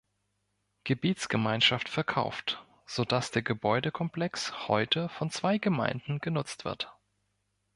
Gebetsgemeinschaft" verkauft, so dass der Gebäudekomplex heute von zwei Gemeinden genutzt wird.